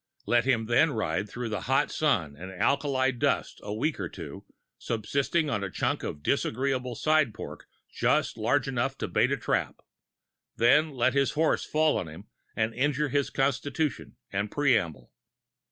Let him then ride through the hot sun and alkali dust a week or two, subsisting on a chunk of disagreeable side pork just large enough to bait a trap. Then let his horse fall on him and injure his constitution and preamble.